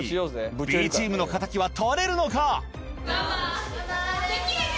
Ｂチームの敵は取れるのか？